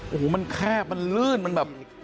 โอ้โหมันแคบมันลื่นมันแบบ